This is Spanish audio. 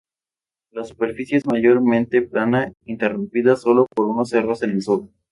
La superficie es mayormente plana, interrumpida sólo por unos cerros en el sur.